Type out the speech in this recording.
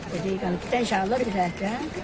jadi kalau kita insya allah tidak ada